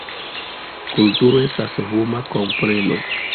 Kulturo estas homa kompreno.